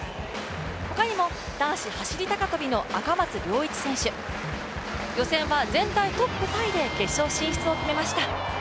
他にも男子走高跳の赤松諒一選手、予選は全体トップタイで決勝進出を決めました。